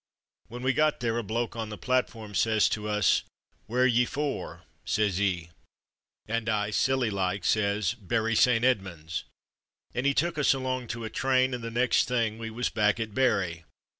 When we got there, a bloke on the platform says to us, * Where are ye for?' says 'e. And I, silly like, says, 'Bury St. Edmunds'; and he took us along to a train and the next thing was we was back at Bury.